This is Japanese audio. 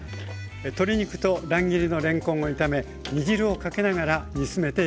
鶏肉と乱切りのれんこんを炒め煮汁をかけながら煮詰めていきました。